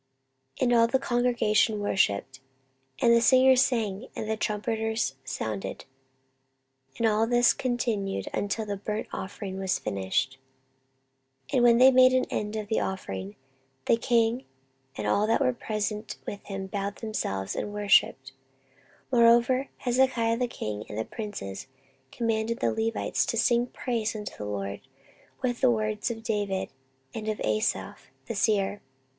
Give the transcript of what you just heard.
14:029:028 And all the congregation worshipped, and the singers sang, and the trumpeters sounded: and all this continued until the burnt offering was finished. 14:029:029 And when they had made an end of offering, the king and all that were present with him bowed themselves, and worshipped. 14:029:030 Moreover Hezekiah the king and the princes commanded the Levites to sing praise unto the LORD with the words of David, and of Asaph the seer.